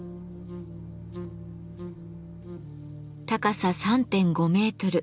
高さ３．５メートル